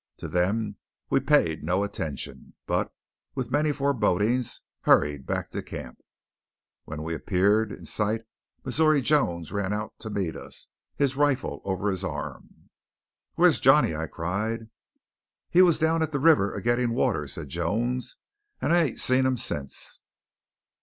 To them we paid no attention, but, with many forebodings, hurried back to camp. When we appeared in sight Missouri Jones ran out to meet us, his rifle over his arm. "Where's Johnny?" I cried. "He was down at the river a getting water," said Jones, "and I ain't seen him since."